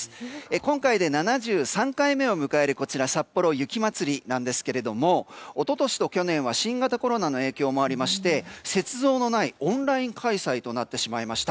今回で７３回目を迎えるさっぽろ雪まつりなんですが一昨年と去年は新型コロナの影響もありまして雪像のないオンライン開催となってしまいました。